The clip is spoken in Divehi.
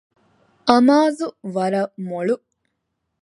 އަމާޒު ވަރަށް މޮޅު